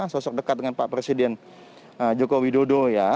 sosok dekat dengan pak presiden joko widodo ya